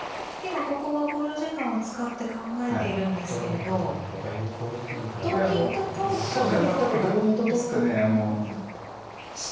今ここは考慮時間を使って考えているんですけれど同銀と取るか飛び込むかですか。